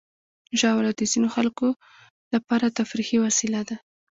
ژاوله د ځینو خلکو لپاره تفریحي وسیله ده.